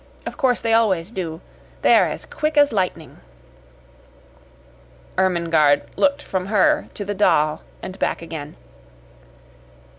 "Of course they always do. They are as quick as lightning." Ermengarde looked from her to the doll and back again.